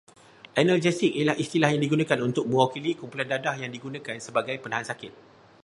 Analgesik ialah istilah yang digunakan untuk mewakili kumpulan dadah yang digunakan sebagai penahan sakit